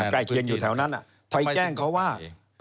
ใกล้เคียงอยู่แถวนั้นไปแจ้งเขาว่า